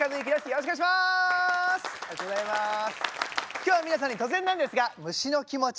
今日は皆さんに突然なんですが虫の気持ち